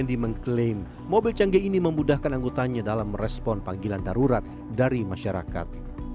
andi mengklaim mobil canggih ini memudahkan anggotanya dalam merespon panggilan darurat dari masyarakat